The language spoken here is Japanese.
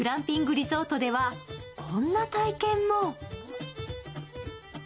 リゾートではこんな体験も。